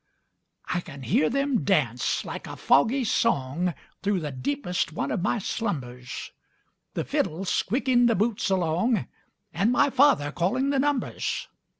I can hear them dance, like a foggy song, Through the deepest one of my slumbers, The fiddle squeaking the boots along And my father calling the numbers.